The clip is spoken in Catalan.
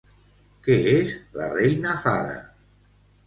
Què és la Reina Fada?